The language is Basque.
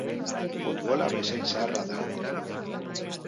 Futbola bezain zaharra da hori.